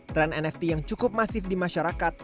tren nft yang cukup masif di masyarakat